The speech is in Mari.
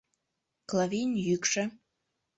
Клавийын йӱкшӧ.